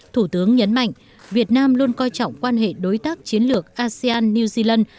thủ tướng nhấn mạnh việt nam luôn coi trọng quan hệ đối tác chiến lược asean new zealand